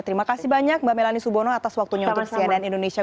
terima kasih banyak mbak melani subono atas waktunya untuk cnn indonesia